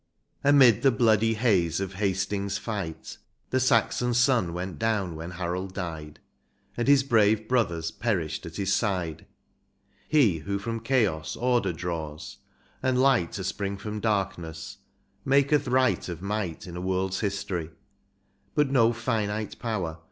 Amid the bloody haze of Hastings' fight The Saxon sun went down when Harold died, And his brave brothers perished at his side ; He who from chaos order draws/ and light To spring from darkness, maketh right of might In a world's history ; but no finite power.